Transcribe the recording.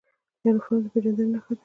یونفورم د پیژندنې نښه ده